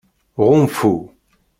Ɣunfu.